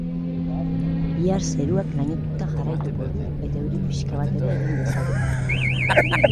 Bihar zeruak lainotuta jarraituko du eta euri pixka bat ere egin dezke.